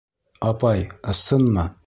Апай, ысынмы?